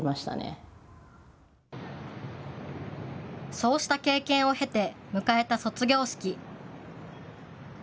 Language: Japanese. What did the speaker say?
そうした経験を経て迎えた卒業式。